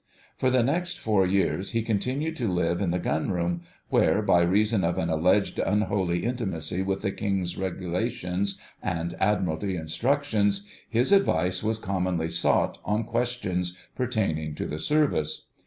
For the next four years he continued to live in the Gunroom, where, by reason of an alleged unholy intimacy with the King's Regulations and Admiralty Instructions, his advice was commonly sought on questions pertaining to the Service.